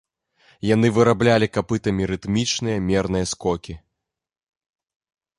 Яны выраблялі капытамі рытмічныя, мерныя скокі.